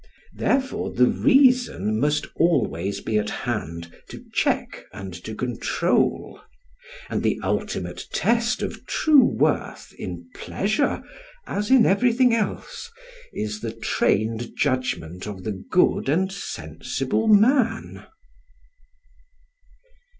Therefore the Reason must be always at hand to check and to control; and the ultimate test of true worth in pleasure, as in everything else, is the trained judgment of the good and sensible man.